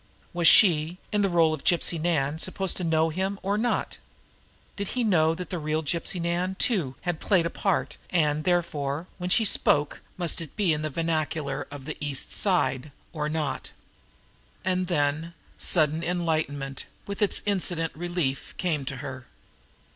Was she, in the role of Gypsy Nan, supposed to know him, or not? Did he know that the real Gypsy Nan, too, had but played a part, and, therefore, when she spoke must it be in the vernacular of the East Side or not? And then sudden enlightenment, with its incident relief, came to her.